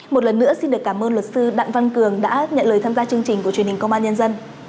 một lần nữa xin được cảm ơn luật sư đặng văn cường đã nhận lời tham gia chương trình của truyền hình công an nhân dân